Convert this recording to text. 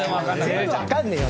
全部わかんねえよ。